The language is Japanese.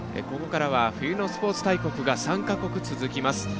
ここからは、冬のスポーツ大国が３か国続きます。